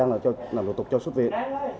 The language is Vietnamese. làm đột tục cho xuất viện